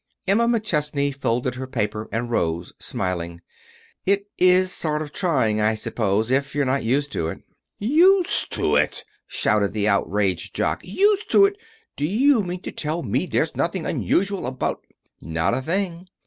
Emma McChesney folded her paper and rose, smiling. "It is sort of trying, I suppose, if you're not used to it." "Used to it!" shouted the outraged Jock. "Used to it! Do you mean to tell me there's nothing unusual about " "Not a thing.